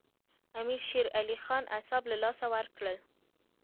امیر شېر علي خان اعصاب له لاسه ورکړل.